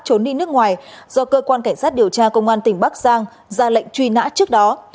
trốn đi nước ngoài do cơ quan cảnh sát điều tra công an tỉnh bắc giang ra lệnh truy nã trước đó